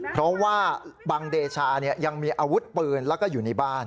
เพราะว่าบังเดชายังมีอาวุธปืนแล้วก็อยู่ในบ้าน